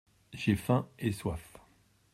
J’ai faim et soif.